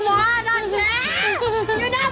บางครึ่ง